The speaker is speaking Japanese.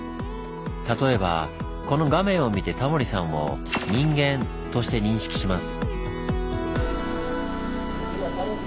例えばこの画面を見てタモリさんを「人間」として認識します。